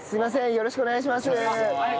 よろしくお願いします。